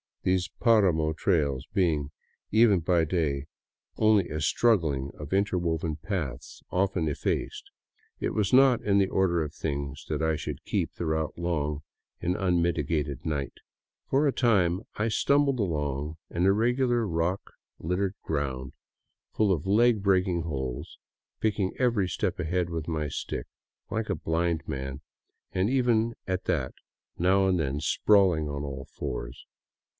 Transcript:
These paramo trails being, even by day, only a straggling of interwoven paths 182 DOWN VOLCANO AVENUE often effaced, it was not in the order of things that I should keep the route long in unmitigated night. For a time I stumbled along an irregular, rock littered ground, full of leg breaking holes, picking every step ahead with my stick, Hke a blind man, and even at that now and then sprawling on all fours.